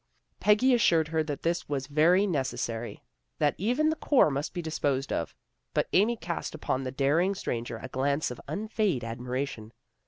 " Peggy assured her that this was very neces sary, that even the core must be disposed of, but Amy cast upon the daring stranger a glance of unfeigned admiration.